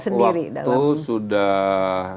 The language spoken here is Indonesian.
sendiri waktu sudah